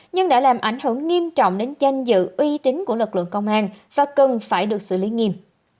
nhưng đã làm ảnh hưởng nghiêm trọng đến danh dự uy tín của lực lượng công an và cần phải được xử lý nghiêm